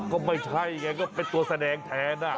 ก็ไม่ใช่ไงก็เป็นตัวแสดงแทน